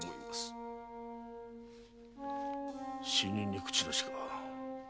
死人に口なしか。